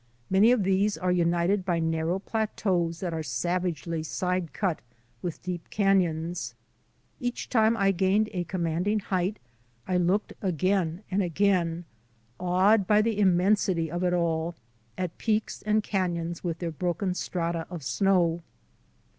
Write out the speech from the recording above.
Many of these are united by narrow plateaus that are savagely side cut with deep canons. Each time I gained a commanding height I looked again and again, awed by the immensity of it all, at peaks and canons with their broken strata of snow.